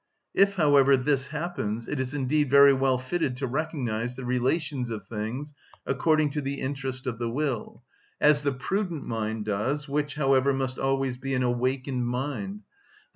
If, however, this happens, it is indeed very well fitted to recognise the relations of things according to the interest of the will, as the prudent mind does, which, however, must always be an awakened mind, _i.